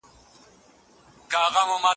هغه د ډاډ په خاطر اوبو څښلو ته ښکته شوه.